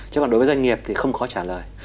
chứ còn đối với doanh nghiệp thì không khó trả lời